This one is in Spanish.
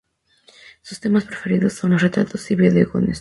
Sus temas preferidos son los retratos y bodegones.